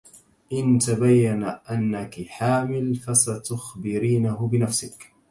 إن تبين أنكِ حامل، فستخبرينه بنفسك.